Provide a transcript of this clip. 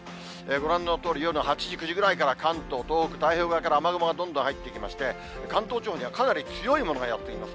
ご覧のとおり、夜の８時、９時ぐらいから関東、東北、太平洋側から雨雲がどんどん入ってきまして、関東地方にはかなり強いものがやって来ます。